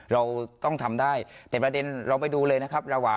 เราต้องทำได้แต่ประเด็นเราไปดูเลยนะครับระหว่าง